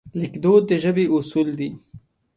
لیکدود د ژبې اصول دي.